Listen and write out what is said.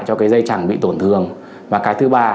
cho cái dây chẳng bị tổn thương và cái thứ ba